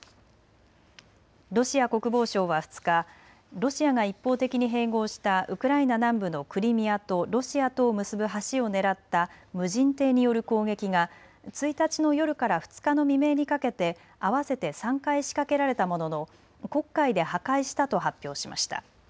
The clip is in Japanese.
ロシア国防省は２日、ロシアが一方的に併合したウクライナ南部のクリミアとロシアとを結ぶ橋を狙った無人艇による攻撃が１日の夜から２日の未明にかけて合わせて３回仕掛けられたものの黒海で破壊したと発表しました。